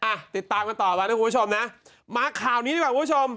อ่ะติดตามกันต่อไปนะคุณผู้ชมนะมาข่าวนี้ดีกว่าคุณผู้ชม